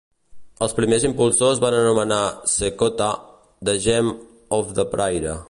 Els primers impulsors van anomenar Checotah, "The Gem of the Prairie".